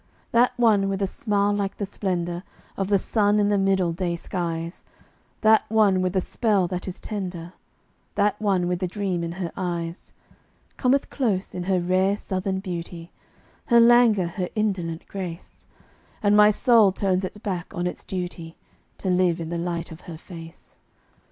That one with a smile like the splendor Of the sun in the middle day skies That one with a spell that is tender That one with a dream in her eyes Cometh close, in her rare Southern beauty, Her languor, her indolent grace; And my soul turns its back on its duty, To live in the light of her face.